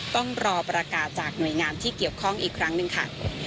ต้องรอประกาศจากหน่วยงานที่เกี่ยวข้องอีกครั้งหนึ่งค่ะ